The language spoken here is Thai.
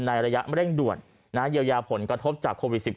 ระยะเร่งด่วนเยียวยาผลกระทบจากโควิด๑๙